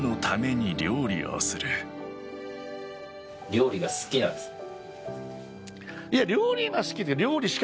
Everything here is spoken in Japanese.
料理が好きなんですね。